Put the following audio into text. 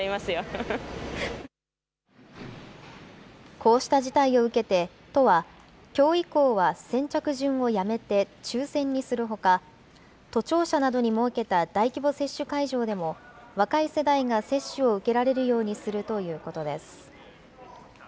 こうした事態を受けて、都は、きょう以降は先着順をやめて抽せんにするほか、都庁舎などに設けた大規模接種会場でも、若い世代が接種を受けられるようにするということです。